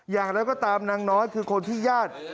อย่างไรก็ตามนางน้อยคือคนที่ญาติ